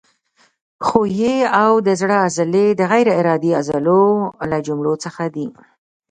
ښویې او د زړه عضلې د غیر ارادي عضلو له جملو څخه دي.